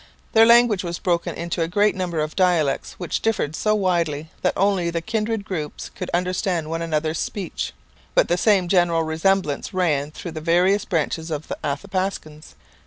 Their language was broken into a great number of dialects which differed so widely that only the kindred groups could understand one another's speech. But the same general resemblance ran through the various branches of the Athapascans.